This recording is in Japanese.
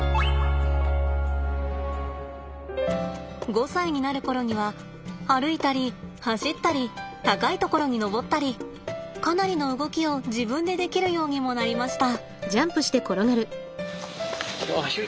５歳になる頃には歩いたり走ったり高いところに登ったりかなりの動きを自分でできるようにもなりました。